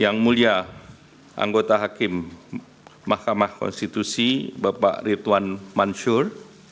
yang mulia anggota hakim mahkamah konstitusi bapak ridwan mansur